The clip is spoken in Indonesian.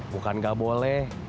bukan gak boleh